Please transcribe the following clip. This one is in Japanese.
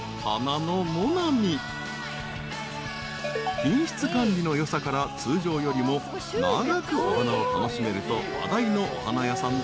［品質管理のよさから通常よりも長くお花を楽しめると話題のお花屋さんで］